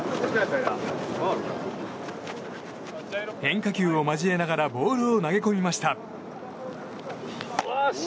変化球を交えながらボールを投げ込みました。